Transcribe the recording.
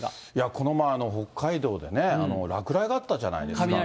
この前、北海道でね、落雷があったじゃないですか。